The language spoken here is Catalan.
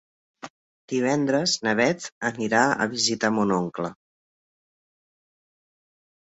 Divendres na Beth anirà a visitar mon oncle.